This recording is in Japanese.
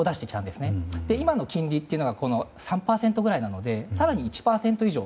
で、今の金利というのは３％ぐらいなので更に、１％以上。